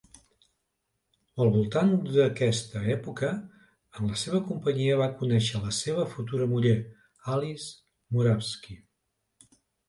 Al voltant d'aquesta època, en la seva companyia, va conèixer la seva futura muller, Alice Murawski.